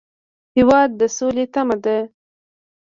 هېواد د سولې تمه ده.